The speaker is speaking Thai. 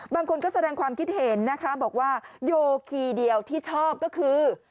บางคนก็แสดงความคิดเห็นนะคะบอกว่าโยคีเดียวที่ชอบก็คือ